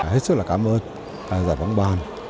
hết sức là cảm ơn giải bóng bàn